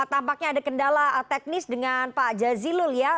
tampaknya ada kendala teknis dengan pak jazilul ya